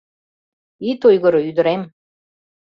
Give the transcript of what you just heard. — Ит ойгыро, ӱдырем.